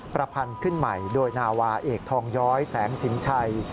ประพันธ์ขึ้นใหม่โดยนาวาเอกทองย้อยแสงสินชัย